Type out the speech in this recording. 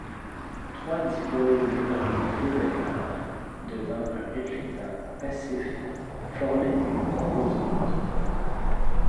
Trois dipôles orienté vers l'avant, devant un réflecteur passif, formaient une composante.